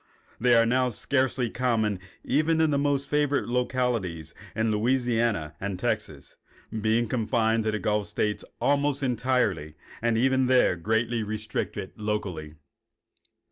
They are now scarcely common even in the most favored localities in Louisiana and Texas, being confined to the gulf states almost entirely, and even there greatly restricted locally.